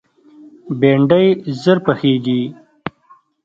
بېنډۍ ژر پخېږي